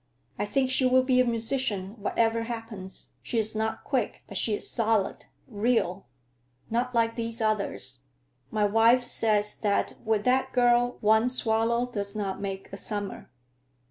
I think she will be a musician, whatever happens. She is not quick, but she is solid, real; not like these others. My wife says that with that girl one swallow does not make a summer."